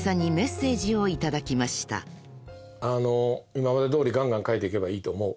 今までどおりガンガン書いていけばいいと思う。